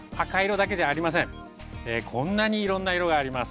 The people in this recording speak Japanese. こんなにいろんな色があります。